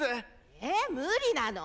えっ無理なの？